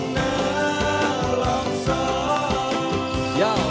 rambi ruang dia